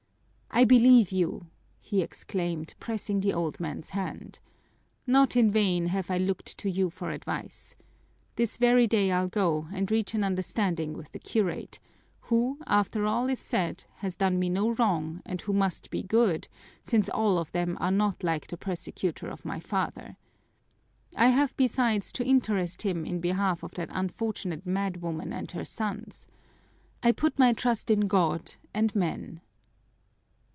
"I believe you!" he exclaimed, pressing the old man's hand. "Not in vain have I looked to you for advice. This very day I'll go and reach an understanding with the curate, who, after all is said, has done me no wrong and who must be good, since all of them are not like the persecutor of my father. I have, besides, to interest him in behalf of that unfortunate madwoman and her sons. I put my trust in God and men!"